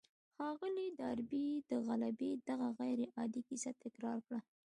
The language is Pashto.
ښاغلي ډاربي د غلبې دغه غير عادي کيسه تکرار کړه.